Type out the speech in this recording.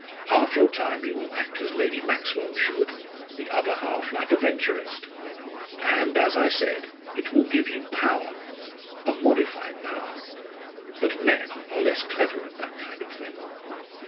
Half your time you will act as Lady Maxwell should, the other half like a Venturist. And, as I said, it will give you power a modified power. But men are less clever at that kind of thing."